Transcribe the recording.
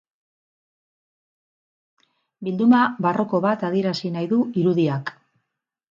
Bilduma barroko bat adierazi nahi du irudiak.